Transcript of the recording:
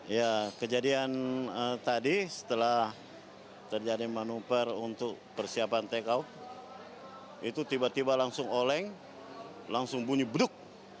ya kejadian tadi setelah terjadi manuver untuk persiapan take out itu tiba tiba langsung oleng langsung bunyi beduk